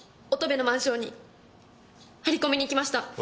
乙部のマンションに張り込みに行きました。